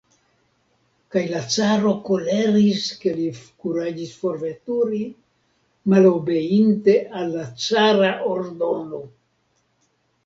Kaj la caro koleris, ke li kuraĝis forveturi, malobeinte al la cara ordono.